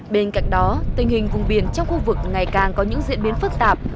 bên cạnh đó tình hình vùng biển trong khu vực ngày càng có những diễn biến phức tạp